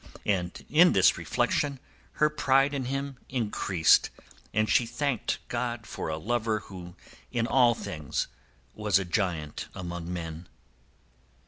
And in this reflection her pride in him increased, and she thanked God for a lover who in all things was a giant among men.